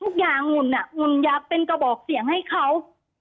ทุกอย่างอุ๋นอะอุ๋นอยากเป็นกระบอกเสี่ยงให้เขา